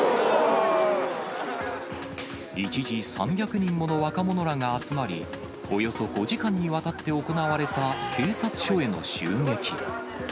一時、３００人もの若者らが集まり、およそ５時間にわたって行われた警察署への襲撃。